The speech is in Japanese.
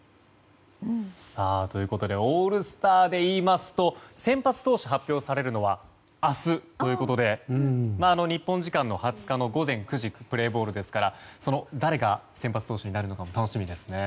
オールスターで言いますと先発投手が発表されるのは明日ということで日本時間の２０日の午前９時がプレーボールですから誰が先発投手になるのかも楽しみですね。